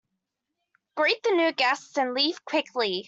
Greet the new guests and leave quickly.